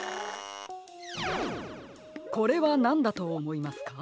これはなんだとおもいますか？